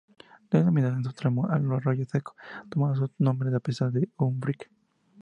Denominado en su tramo alto Arroyo Seco, tomando su nombre al pasar por Ubrique.